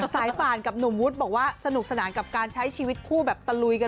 สายป่านกับหนุ่มวุฒิบอกว่าสนุกสนานกับการใช้ชีวิตคู่แบบตะลุยกัน